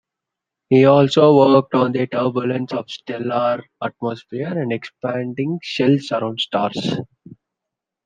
He also worked on the turbulence of stellar atmosphere and expanding shells around stars.